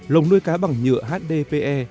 lồng nuôi cá bằng nhựa hdpe